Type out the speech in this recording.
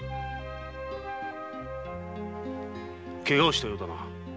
怪我をしたようだな。